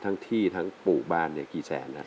ทั้งที่ทั้งปลูกบ้านเนี่ยกี่แสน